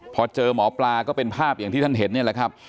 พอเจอหมอปลาก็เป็นภาพอย่างที่ท่านเห็นนี่แหละครับ